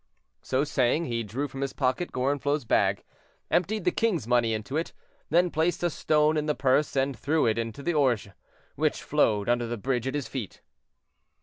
So saying, he drew from his pocket Gorenflot's bag, emptied the king's money into it, then placed a stone in the purse, and threw it into the Orge, which flowed under the bridge at his feet.